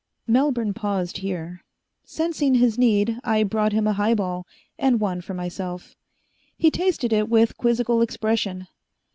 Melbourne paused here. Sensing his need, I brought him a highball, and one for myself. He tasted it with a quizzical expression.